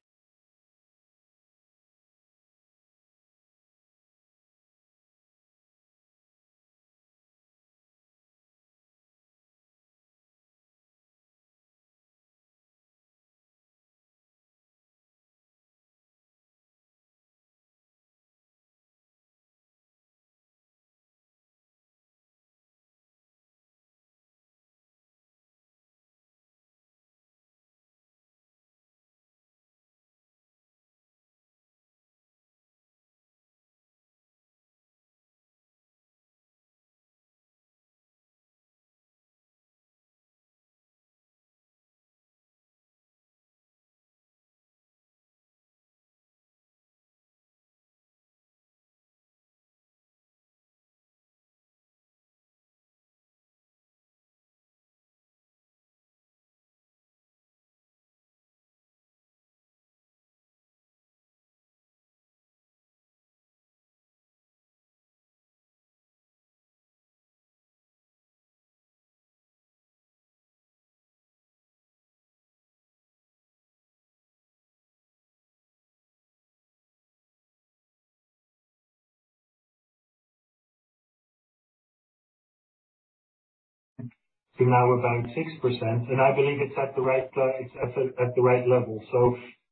[SPEAKER 2] Now we're down 6%, and I believe it's at the right place, it's at the right level.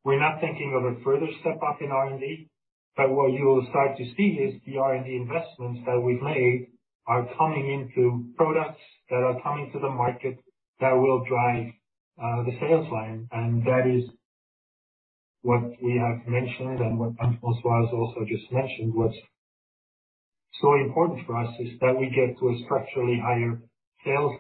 [SPEAKER 2] We're not thinking of a further step up in R&D. What you'll start to see is the R&D investments that we've made are coming into products that are coming to the market that will drive the sales line. That is what we have mentioned and what Anne-Françoise has also just mentioned. What's so important for us is that we get to a structurally higher sales-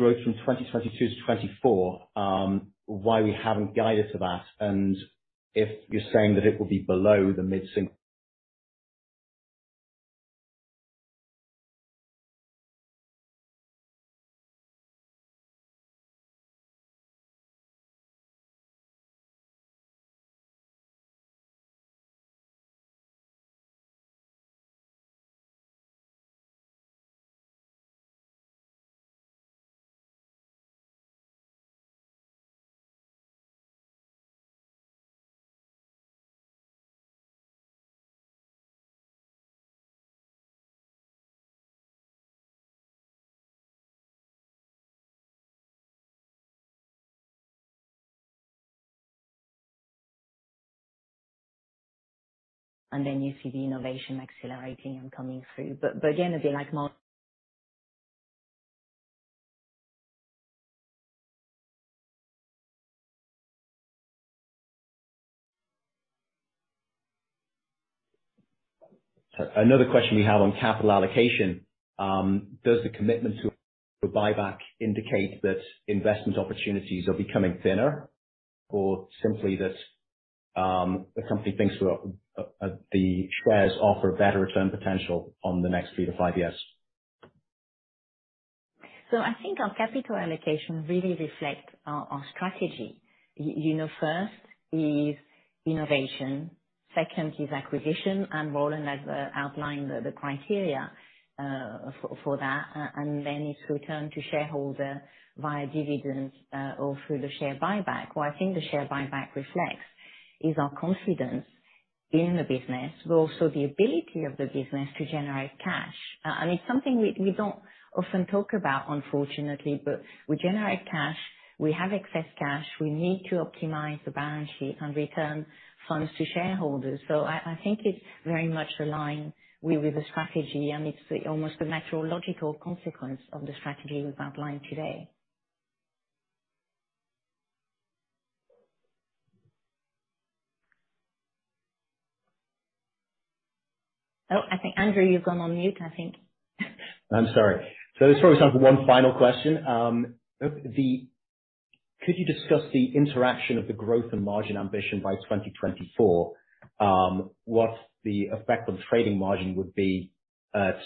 [SPEAKER 1] Growth from 2022 to 2024, why we haven't guided to that, and if you're saying that it will be below the mid-single-
[SPEAKER 3] Then you see the innovation accelerating and coming through. Again, if you like more-
[SPEAKER 1] Another question we have on capital allocation. Does the commitment to buyback indicate that investment opportunities are becoming thinner or simply that the company thinks the shares offer better return potential on the next three to five years?
[SPEAKER 3] I think our capital allocation really reflects our strategy. You know, first is innovation, second is acquisition, and Roland has outlined the criteria for that. Then it's return to shareholder via dividends or through the share buyback. What I think the share buyback reflects is our confidence in the business, but also the ability of the business to generate cash. It's something we don't often talk about unfortunately, but we generate cash, we have excess cash, we need to optimize the balance sheet and return funds to shareholders. I think it's very much aligned with the strategy, and it's almost the natural logical consequence of the strategy we've outlined today. Oh, I think Andrew, you've gone on mute, I think.
[SPEAKER 1] I'm sorry. Let's probably start with one final question. Could you discuss the interaction of the growth and margin ambition by 2024, what the effect on trading margin would be at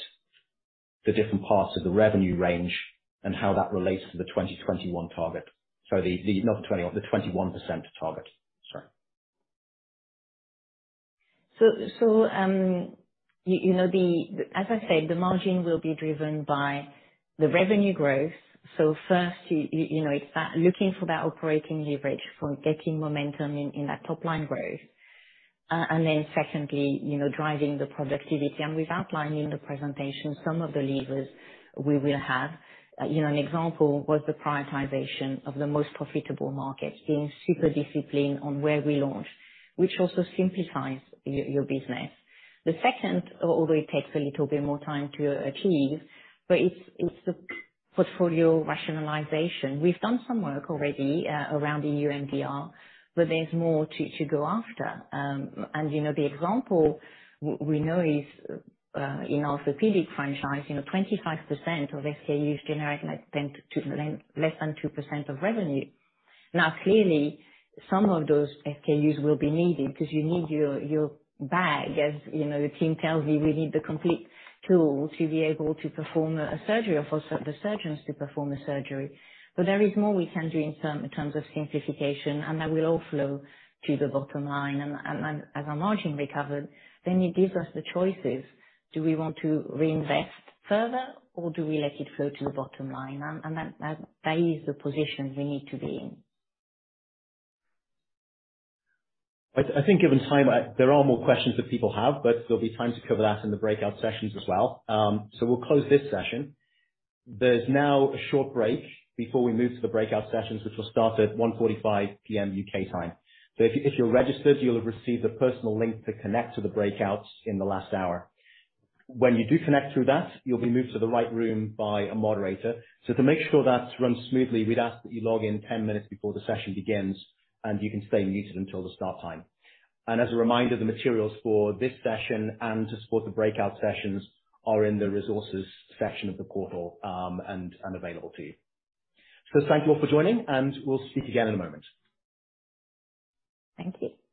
[SPEAKER 1] the different parts of the revenue range, and how that relates to the 2021 target. Sorry, not the 2021, the 21% target. Sorry.
[SPEAKER 3] As I said, the margin will be driven by the revenue growth. First, you know, it's that looking for that operating leverage from getting momentum in that top line growth. Then secondly, you know, driving the productivity. We've outlined in the presentation some of the levers we will have. You know, an example was the prioritization of the most profitable markets, being super disciplined on where we launch, which also simplifies your business. The second, although it takes a little bit more time to achieve, but it's the portfolio rationalization. We've done some work already around the EU MDR, but there's more to go after. You know, the example we know is in Orthopaedics franchise, you know, 25% of SKUs generate like less than 2% of revenue. Now, clearly, some of those SKUs will be needed 'cause you need your bag as you know, the team tells you we need the complete tool to be able to perform a surgery or for the surgeons to perform the surgery. There is more we can do in terms of simplification, and that will all flow to the bottom line. As our margin recovered, then it gives us the choices. Do we want to reinvest further, or do we let it flow to the bottom line? That is the position we need to be in.
[SPEAKER 1] I think given time, there are more questions that people have, but there'll be time to cover that in the breakout sessions as well. We'll close this session. There's now a short break before we move to the breakout sessions, which will start at 1:45 P.M. U.K. time. If you're registered, you'll have received a personal link to connect to the breakouts in the last hour. When you do connect through that, you'll be moved to the right room by a moderator. To make sure that's run smoothly, we'd ask that you log in 10 minutes before the session begins, and you can stay muted until the start time. As a reminder, the materials for this session and to support the breakout sessions are in the resources section of the portal, and available to you. Thank you all for joining, and we'll speak again in a moment.
[SPEAKER 3] Thank you.